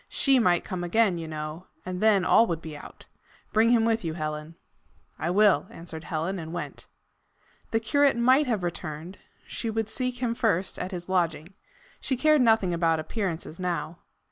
SHE might come again, you know, and then all would be out. Bring him with you, Helen." "I will," answered Helen, and went. The curate might have returned: she would seek him first at his lodging. She cared nothing about appearances now.